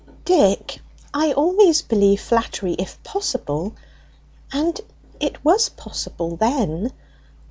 "Dick, I always believe flattery if possible and it was possible then.